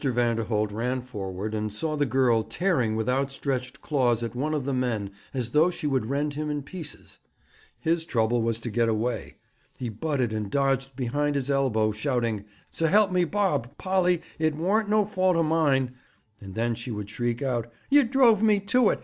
Vanderholt ran forward, and saw the girl tearing with outstretched claws at one of the men as though she would rend him in pieces. His trouble was to get away. He butted and dodged behind his elbow, shouting: 'S'elp me Bob, Polly, it worn't no fault o' mine'! And then she would shriek out: 'Yer drove me to it!